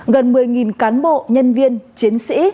gần một mươi cán bộ nhân viên chiến sĩ